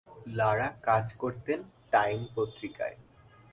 লারা কাজ করতেন টাইম পত্রিকায়।